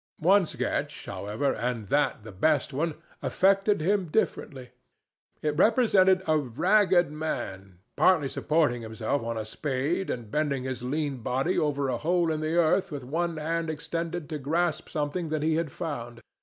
One sketch, however, and that the best one, affected him differently. It represented a ragged man partly supporting himself on a spade and bending his lean body over a hole in the earth, with one hand extended to grasp something that he had found.